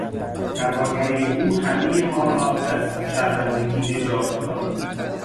پرواگری او همهی ما را از شرمندگی نجات داد.